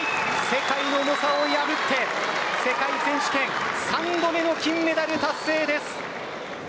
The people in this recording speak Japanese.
世界の猛者を破って世界選手権３度目の金メダル達成です。